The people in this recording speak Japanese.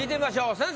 先生！